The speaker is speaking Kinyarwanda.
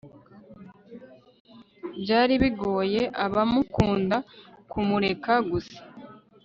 byari bigoye abamukunda kumureka gusa